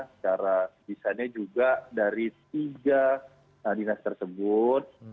secara desainnya juga dari tiga dinas tersebut